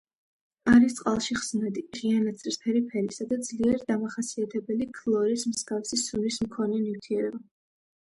არის წყალში ხსნადი, ღია ნაცრისფერი ფერისა და ძლიერ დამახასიათებელი ქლორის მსგავსი სუნის მქონე ნივთიერება.